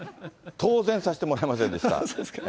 当然、させてもらえませんでした。